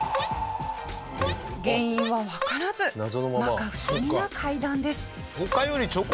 原因はわからず摩訶不思議な階段です。